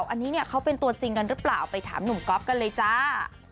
อันนี้เนี่ยเขาเป็นตัวจริงกันหรือเปล่าไปถามหนุ่มก๊อฟกันเลยจ้า